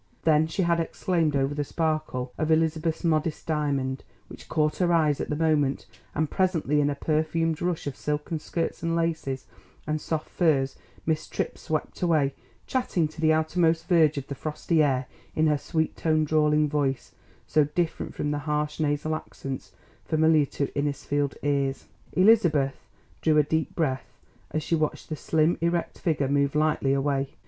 Then she had exclaimed over the sparkle of Elizabeth's modest diamond, which caught her eyes at the moment, and presently in a perfumed rush of silken skirts and laces and soft furs Miss Tripp swept away, chatting to the outermost verge of the frosty air in her sweet toned drawling voice, so different from the harsh nasal accents familiar to Innisfield ears. Elizabeth drew a deep breath as she watched the slim, erect figure move lightly away.